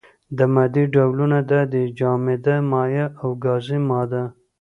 د مادې ډولونه دا دي: جامده، مايع او گازي ماده.